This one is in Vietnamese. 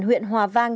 huyện hòa vang